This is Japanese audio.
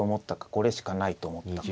これしかないと思ったか。